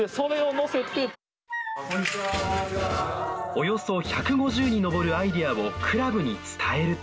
およそ１５０に上るアイデアをクラブに伝えると。